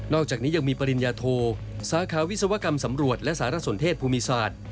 อกจากนี้ยังมีปริญญาโทสาขาวิศวกรรมสำรวจและสารสนเทศภูมิศาสตร์